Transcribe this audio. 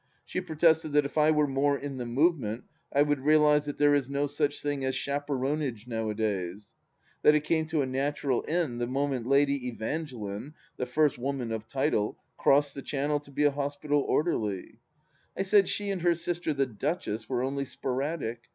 She protested that if I were more in the movement I would realize that there is no such thing as chaperonage nowadays. That it came to a natural end the moment Lady Evangeline — ^the first woman of title — crossed the Channel to be a hospital orderly I I said she and her sister the Duchess were only sporadic.